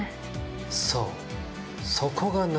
そう！